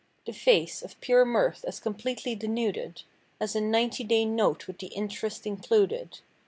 The face, of pure mirth, as completely denuded As a ninety day note with the interest included.